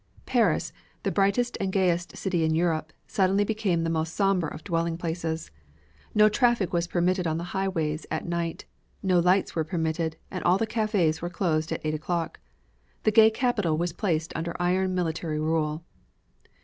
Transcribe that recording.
Paris, the brightest and gayest city in Europe, suddenly became the most somber of dwelling places. No traffic was permitted on the highways at night. No lights were permitted and all the cafes were closed at eight o'clock. The gay capital was placed under iron military rule.